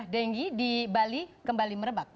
denggi di bali kembali merebak